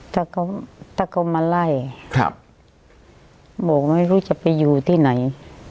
ถ้าเขาถ้าเขามาไล่บอกไม่รู้จะไปอยู่ที่ไหน